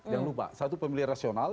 jangan lupa satu pemilih rasional